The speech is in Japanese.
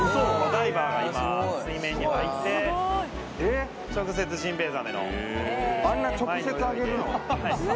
ダイバーが今水面に入って直接ジンベエザメのあんな直接あげるの？